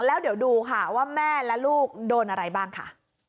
แล้วเดี๋ยวดูค่ะว่าแม่และลูกโดนอะไรบ้างค่ะ